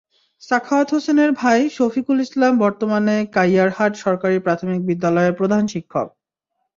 সাখাওয়াৎ হোসেনের ভাই শফিকুল ইসলাম বর্তমানে কাইয়ারহাট সরকারি প্রাথমিক বিদ্যালয়ের প্রধান শিক্ষক।